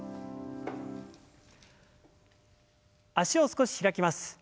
脚を少し開きます。